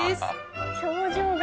表情が。